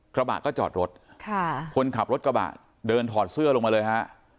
กระบะก็จอดรถค่ะคนขับรถกระบะเดินถอดเสื้อลงมาเลยฮะ